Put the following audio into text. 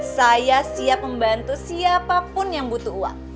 saya siap membantu siapapun yang butuh uang